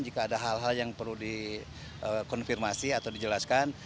jika ada hal hal yang perlu dikonfirmasi atau dijelaskan